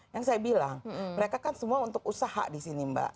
yang saya bilang mereka kan semua untuk usaha di sini mbak